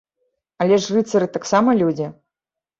Але ж рыцары таксама людзі!